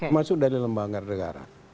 masuk dari lembangan negara